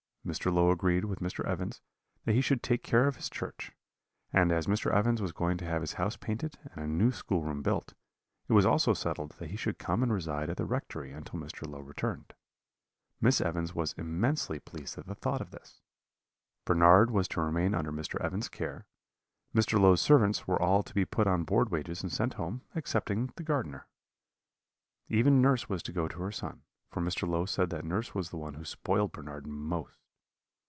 Mr. Low agreed with Mr. Evans that he should take care of his church; and as Mr. Evans was going to have his house painted and a new schoolroom built, it was also settled that he should come and reside at the rectory until Mr. Low returned. Miss Evans was immensely pleased at the thought of this. Bernard was to remain under Mr. Evans's care; Mr. Low's servants were all to be put on board wages and sent home, excepting the gardener. Even nurse was to go to her son, for Mr. Low said that nurse was the one who spoiled Bernard most.